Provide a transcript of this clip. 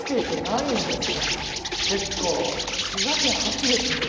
千葉県初ですって。